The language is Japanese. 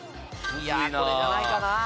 いやこれじゃないかな。